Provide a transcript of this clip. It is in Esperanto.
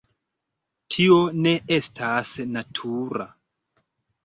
Tio ne estas natura.